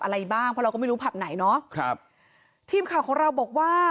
อะไรบ้างเพราะเราก็ไม่รู้ผับไหนเนาะครับทีมข่าวของเราบอกว่า